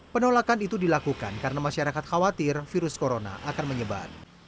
penolakan itu dilakukan karena masyarakat khawatir virus corona akan menyebar